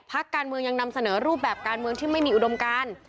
พักการเมืองยังนำเสนอรูปแบบการเมืองที่ไม่มีอุดมการ